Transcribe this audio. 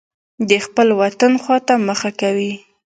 د خپل وطن خوا ته مخه کوي.